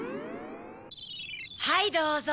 はいどうぞ。